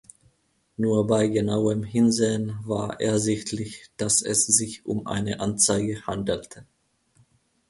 Nur bei genauem Hinsehen war ersichtlich, dass es sich um eine Anzeige handelte.